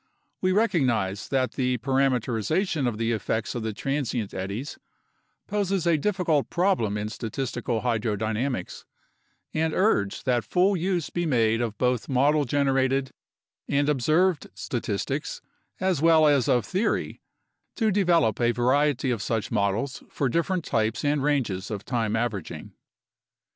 We recognize that the parameterization of the effects of the transient eddies poses a difficult problem in statistical hydrodynamics and urge that full use be made of both model generated and observed statistics, as well as of theory, to develop a variety of such models for different types and ranges of time averaging.